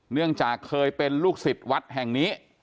เนื่องจากเคยเป็นลูกศิษย์วัดแห่งนี้